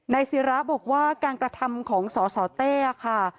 ในสิราบอกว่ากลางกระทำของสอสต้ะค่ะ